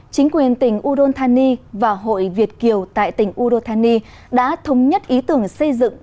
chính quyền tỉnh udon thani và hội việt kiều tại tỉnh udotani đã thống nhất ý tưởng xây dựng